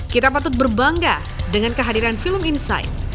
kita patut berbangga dengan kehadiran film insight